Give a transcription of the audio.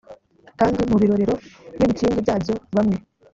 kandi mu birorero n ibikingi byabyo bamwe